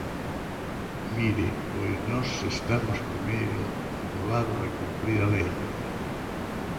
Mire, pois nós estamos, primeiro, do lado de cumprir a lei.